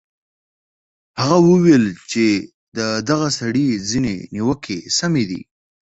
هغه ویل چې د دغه سړي ځینې نیوکې سمې دي.